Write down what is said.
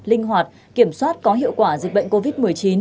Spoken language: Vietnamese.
linh hoạt kiểm soát có hiệu quả dịch bệnh covid một mươi chín